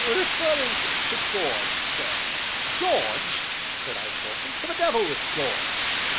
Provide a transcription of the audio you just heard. "Referring to George, sir " "George!" said I shortly; "to the devil with George!"